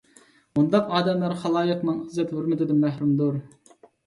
مۇنداق ئادەملەر خالايىقنىڭ ئىززەت - ھۆرمىتىدىن مەھرۇمدۇر.